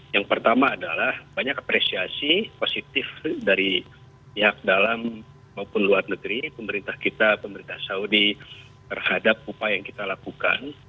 yang pertama adalah banyak apresiasi positif dari pihak dalam maupun luar negeri pemerintah kita pemerintah saudi terhadap upaya yang kita lakukan